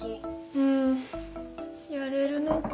うんやれるのか？